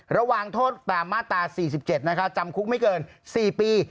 ระหว่างโทษตามมาตรา๔๗จำคุกไม่เกิน๔ปี